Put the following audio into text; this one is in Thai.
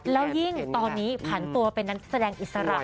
แล้วยิ่งตอนนี้ผันตัวเป็นนักแสดงอิสระ